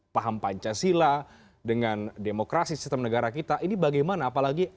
paham pancasila dengan demokrasi sistem negara kita ini bagaimana apalagi